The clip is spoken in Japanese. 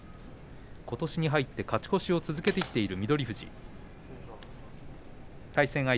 ことしに入って勝ち越しを続けている翠